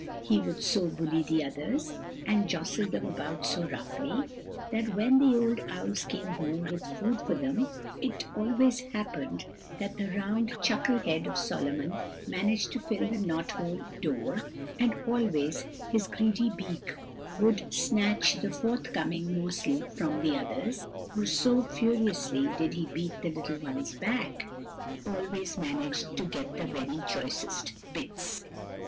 He would so bully the others, and jostle them about so roughly, that when the old owls came home with food for them, it always happened that the round, chuckle head of Solomon managed to fill the knot hole door, and always his greedy beak would snatch the forthcoming morsel from the others; for so furiously did he beat the little ones back, he always managed to get the very choicest bits.